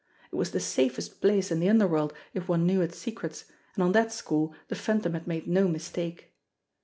It was the safest place in the underworld if one knew its secrets, and on that score the Phantom had made no mistake.